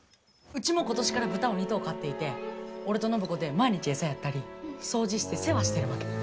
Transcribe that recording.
うちも今年から豚を２頭飼っていて俺と暢子で毎日餌やったり掃除して世話してるわけ。